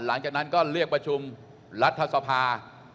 หลังจากนั้นก็เรียกประชุมรัฐสภา